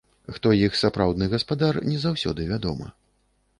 Хто іх сапраўдны гаспадар, не заўсёды вядома.